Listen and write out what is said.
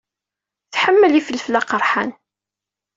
Tḥemmel ifelfel aqerḥan.